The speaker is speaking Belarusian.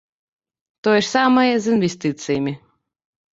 Тое ж самае з інвестыцыямі.